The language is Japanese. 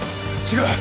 違う。